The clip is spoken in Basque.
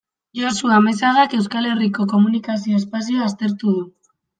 Josu Amezagak Euskal Herriko komunikazio espazioa aztertu du.